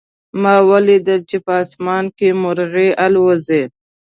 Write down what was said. ما ولیدل چې په آسمان کې مرغۍ الوزي